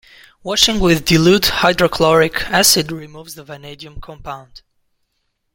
Washing with dilute hydrochloric acid removes the vanadium compound.